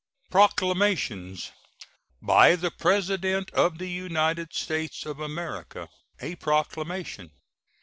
PROCLAMATIONS. BY THE PRESIDENT OF THE UNITED STATES OF AMERICA. A PROCLAMATION.